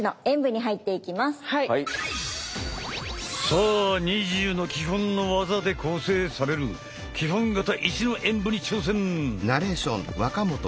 さあ２０の基本の技で構成される基本形１の演武に挑戦！